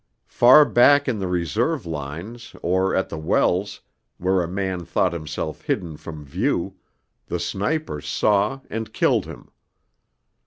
Far back in the Reserve Lines or at the wells, where a man thought himself hidden from view, the sniper saw and killed him.